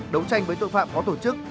đấu tranh với tội phạm có tổ chức